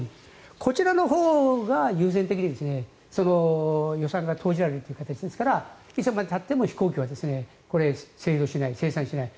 こちらのほうが優先的に予算が投じられる形ですからいつまでたっても飛行機は生産しない、製造しない。